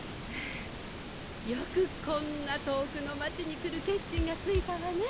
よくこんなとおくのまちにくるけっしんがついたわね。